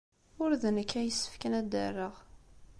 Ur d nekk ay yessefken ad d-rreɣ.